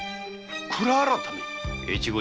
蔵改め。